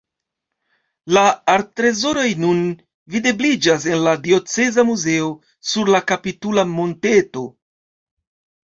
La arttrezoroj nun videbliĝas en la Dioceza Muzeo sur la kapitula monteto.